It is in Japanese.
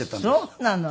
そうなの。